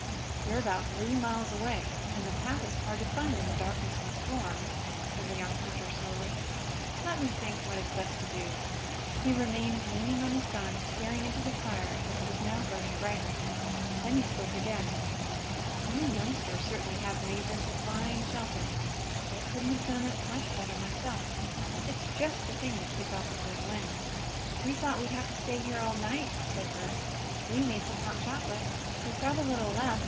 "You're about three miles away, and the path is hard to find in the darkness and storm," said the young hunter slowly. "Let me think what is best to do." He remained leaning on his gun, staring into the fire, which was now burning brightly. Then he spoke again. "You youngsters certainly have made this a fine shelter. I couldn't have done it much better myself. It's just the thing to keep out the cold wind." "We thought we'd have to stay here all night," said Bert. "We made some hot chocolate. We've got a little left.